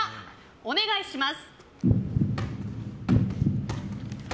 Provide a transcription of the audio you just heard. お願いします。